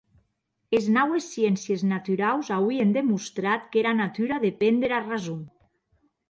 Es naues sciéncies naturaus auien demostrat qu'era natura depen dera rason.